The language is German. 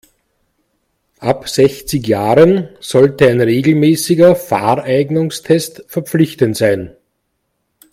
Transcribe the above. Ab sechzig Jahren sollte ein regelmäßiger Fahreignungstest verpflichtend sein.